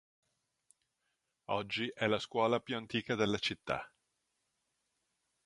Oggi è la scuola più antica della città.